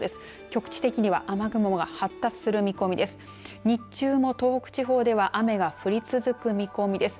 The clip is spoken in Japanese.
局地的には雨雲が発達する見込みです。